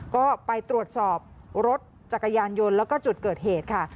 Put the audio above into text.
ก็ไปตรวจสอบรถจักรยานยนต์แล้วก็จุดเกิดเหตุค่ะ